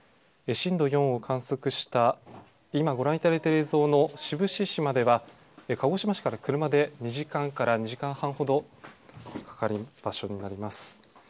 震度４を観測した、今ご覧いただいている映像の志布志市までは、鹿児島市から車で２時間から２時間半ほどかかる場所になります。